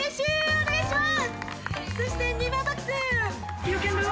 お願いします！